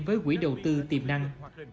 với quỹ đầu tư tiềm năng